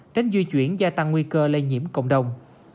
tránh di chuyển gia tăng nguy cơ lây nhiễm cộng đồng